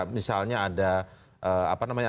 misalnya ada apa namanya